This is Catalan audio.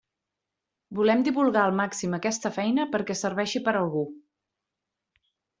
Volem divulgar al màxim aquesta feina perquè serveixi per a algú.